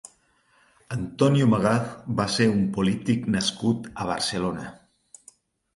Antonio Magaz va ser un polític nascut a Barcelona.